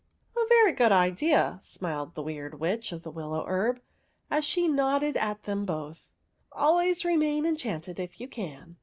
" A very good idea," smiled the Weird Witch OF THE WILLOW HERB 21 of the Willow Herb, as she nodded at them both. '' Always remain enchanted if you can."